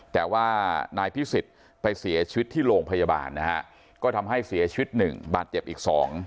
แต่ว่านายพิสิทธิ์ไปเสียชีวิตที่โรงพยาบาลนะฮะก็ทำให้เสียชีวิตหนึ่งบาดเจ็บอีก๒